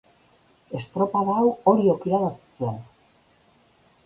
Estropada hau Oriok irabazi zuen.